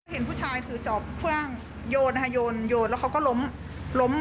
เห็นผู้ชายถือจอบค้างโยนแล้วเขาก็ล้ม